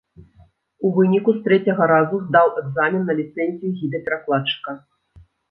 У выніку з трэцяга разу здаў экзамен на ліцэнзію гіда-перакладчыка.